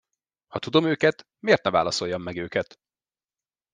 Ha tudom őket, miért ne válaszoljam meg őket?